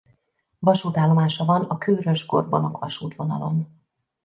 Vasútállomása van a Kőrös-Gorbonok vasútvonalon.